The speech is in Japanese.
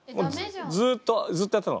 ずっとずっとやってたの。